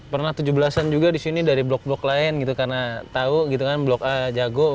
pernah tujuh belas an juga disini dari blok blok lain gitu karena tau gitu kan blok a jago